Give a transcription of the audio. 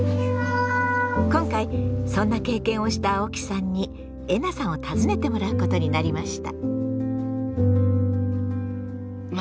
今回そんな経験をした青木さんにえなさんを訪ねてもらうことになりました。